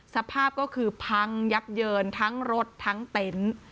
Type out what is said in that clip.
สภาพก็คือพังยับเยินทั้งรถทั้งเต็นต์